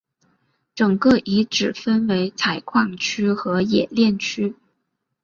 整个遗址分为采矿区和冶炼区。